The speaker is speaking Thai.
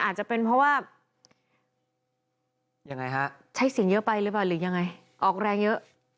อาจจะเป็นเพราะว่าใช้เสียงเยอะไปหรือยังไงออกแรงเยอะ